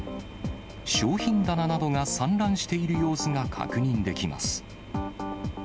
商品棚などが散乱している様子が確認できます。